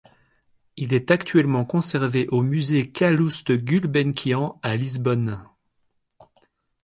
Il est actuellement conservé au musée Calouste-Gulbenkian à Lisbonne.